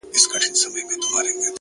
د حقیقت رڼا پټېدلی نه شي،